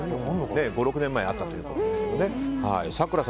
５６年前にあったということですね。